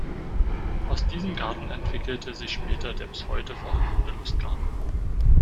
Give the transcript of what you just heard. Aus diesem Garten entwickelte sich später der bis heute vorhandene Lustgarten.